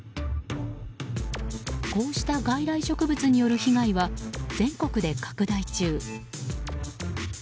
こうした外来植物による被害は全国で拡大中。